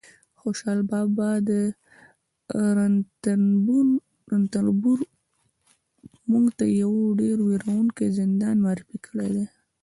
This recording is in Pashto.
خوشحال بابا رنتنبور موږ ته یو ډېر وېروونکی زندان معرفي کړی دی